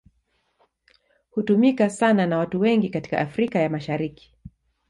Hutumika sana na watu wengi katika Afrika ya Mashariki.